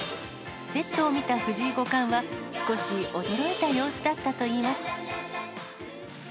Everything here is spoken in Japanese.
セットを見た藤井五冠は、少し驚いた様子だったといいます。